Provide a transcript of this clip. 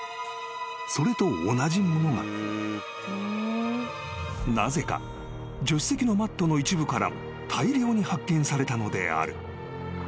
［それと同じものがなぜか助手席のマットの一部からも大量に発見されたのである］